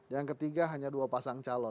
yang ketiga hanya dua pasang calon